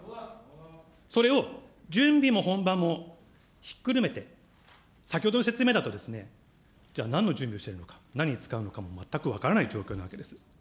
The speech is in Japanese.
それを準備も本番もひっくるめて、先ほどの説明だとですね、じゃあなんの準備をしているのか、何に使うのかも全く分からない状況な訳です。